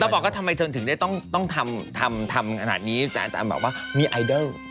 ต้องบอกว่าทำไมเธอถึงได้ต้องทำขนาดนี้บอกว่ามีไอดอล